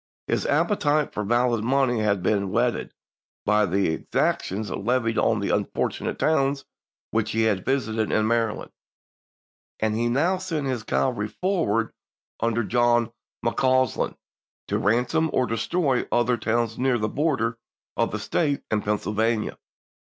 His appetite for valid money had been whetted by the exactions levied on the unfortunate towns which he had visited in Maryland, and he now sent his cavalry forward under John McCausland to ransom or destroy other towns near the border of that State and Pennsyl vania.